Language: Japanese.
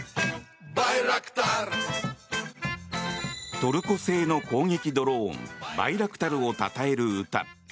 トルコ製の攻撃ドローンバイラクタルをたたえる歌。